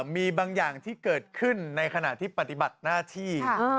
มีบางอย่างที่เกิดขึ้นในขณะที่ปฏิบัติหน้าที่